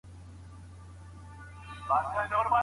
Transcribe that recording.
ایا د ښوونځیو زده کوونکو ته شهادتنامې په وخت ورکول کېږي؟